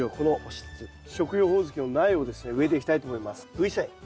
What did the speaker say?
Ｖサイン。